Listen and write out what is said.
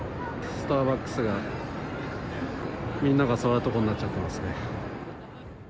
スターバックスがみんなが座るとこになっちゃってますね。